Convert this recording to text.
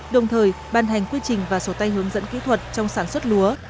đồng thời ban hành quy trình và sổ tay hướng dẫn kỹ thuật trong sản xuất lúa